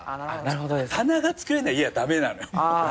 棚が作れない家は駄目なのよ。